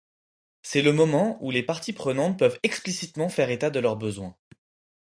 C'est le moment où les parties prenantes peuvent explicitement faire état de leurs besoins.